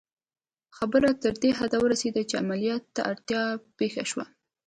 خبره تر دې حده ورسېده چې عملیات ته اړتیا پېښه شوه